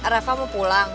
reva mau pulang